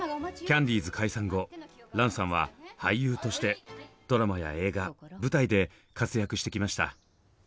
キャンディーズ解散後蘭さんは俳優としてドラマや映画舞台で活躍してきました。